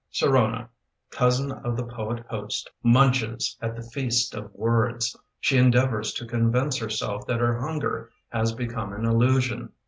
Sirona, cousin of the poet host, Munches at the feast of words. She endeavors to convince herself That her hunger has become an illusion.